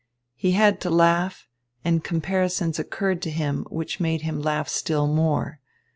He had to laugh, and comparisons occurred to him, which made him laugh still more.